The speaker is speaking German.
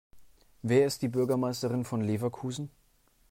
Wer ist die Bürgermeisterin von Leverkusen?